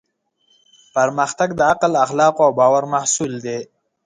پرمختګ د عقل، اخلاقو او باور محصول دی.